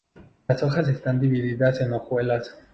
Las hojas están divididas en hojuelas.